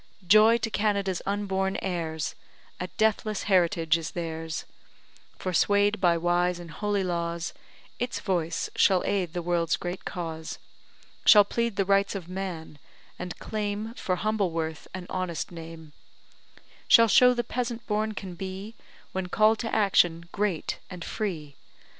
Joy, to Canada's unborn heirs, A deathless heritage is theirs; For, sway'd by wise and holy laws, Its voice shall aid the world's great cause, Shall plead the rights of man, and claim For humble worth an honest name; Shall show the peasant born can be, When call'd to action, great and free.